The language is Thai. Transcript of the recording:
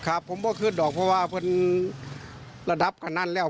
ครับผมไม่เคยขึ้นหรอกเพราะว่ามันระดับขนาดนั้นแล้ว